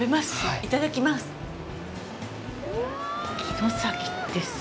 いただきます！